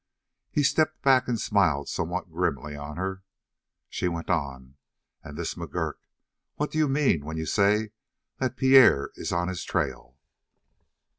He stepped back and smiled somewhat grimly on her. She went on: "And this McGurk what do you mean when you say that Pierre is on his trail?"